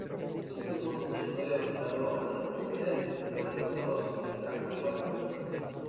Existe un monumento levantado a la memoria del malogrado ciclista Álvaro Fernández.